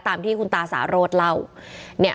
ตามที่คุณตาสาโรธเล่าเนี่ย